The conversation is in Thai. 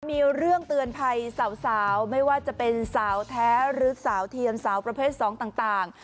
มีเรื่องเตือนภัยสาวไม่ว่าจะเป็นสาวแท้หรือสาวเทียนสาวประเภทสองต่าง